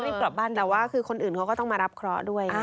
รีบกลับบ้านแต่ว่าคือคนอื่นเขาก็ต้องมารับเคราะห์ด้วย